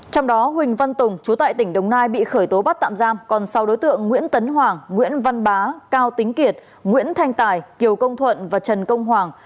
trong đó huỳnh văn tùng chú tại tỉnh đồng nai bị khởi tố bắt tạm giam còn sáu đối tượng nguyễn tấn hoàng nguyễn văn bá cao tính kiệt nguyễn thanh tài kiều công thuận và trần công hoàng